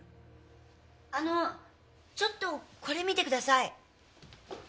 あのちょっとこれ見てください。